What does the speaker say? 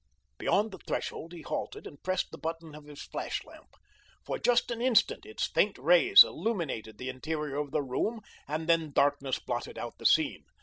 Beyond the threshold he halted and pressed the button of his flash lamp. For just an instant its faint rays illumined the interior of the room, and then darkness blotted out the scene.